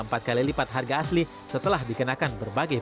pemasaran melalui komunitas menjadi kunci penjuaraan harley davidson